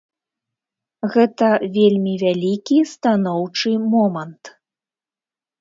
Гэта вельмі вялікі станоўчы момант.